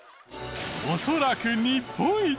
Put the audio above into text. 恐らく日本一？